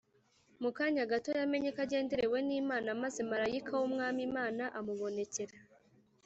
. Mu kanya gato yamenye ko agenderewe n’Imana. Maze marayika w’Umwami Imana amubonekera